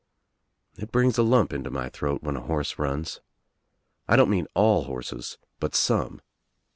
It brings a lump up into my throat when a horse runs. I don't mean all horses but some.